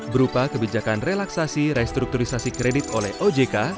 berupa kebijakan relaksasi restrukturisasi kredit oleh ojk